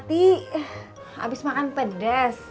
pasti iya tapi abis makan pedes